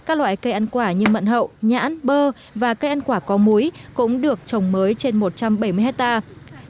các loại cây ăn quả như mận hậu nhãn bơ và cây ăn quả có muối cũng được trồng mới trên một trăm bảy mươi hectare